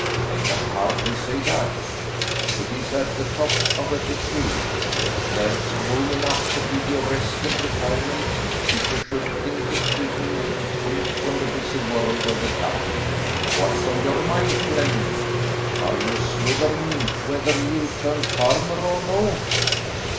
"I can hardly say that. It is at the top of a bit hill, yet there's room enough to give you rest and retirement if you should think of keeping retreat from the busy world of the town. What's on your mind, Flemming? Are you swithering whether you'll turn farmer or no?